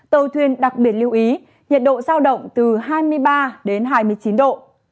tàu thuyền đặc biệt lưu ý nhiệt độ rào động từ hai mươi ba hai mươi chín độ